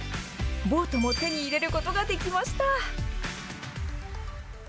ボートも手に入れることができました。